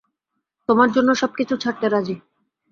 তোমার জন্য সবকিছু ছাড়তে রাজি।